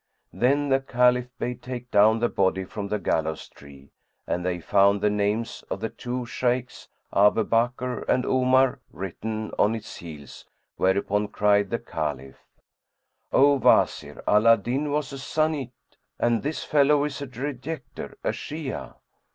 Then the Caliph bade take down the body from the gallows tree and they found the names of the two Shaykhs, Abu Bakr and Omar, written on its heels[FN#108] whereupon cried the Caliph, "O Wazir, Ala al Din was a Sunnite, and this fellow is a Rejecter, a Shi'ah."